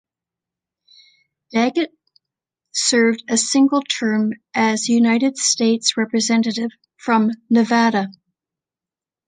Daggett served a single term as a United States Representative from Nevada.